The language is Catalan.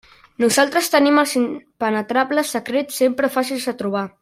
Nosaltres tenim els impenetrables secrets sempre fàcils de trobar.